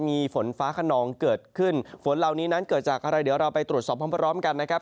นี้นั้นเกิดจากอะไรเดี๋ยวเราไปตรวจสอบพร้อมกันนะครับ